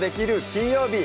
金曜日」